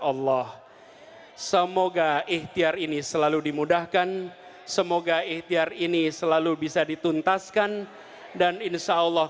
allah semoga ikhtiar ini selalu dimudahkan semoga ikhtiar ini selalu bisa dituntaskan dan insyaallah